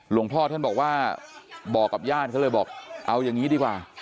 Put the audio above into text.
หลวงพ่อท่านบอกว่าบอกกับญาติเขาเลยบอกเอาอย่างนี้ดีกว่า